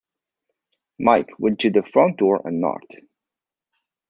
Mike went to the front door and knocked.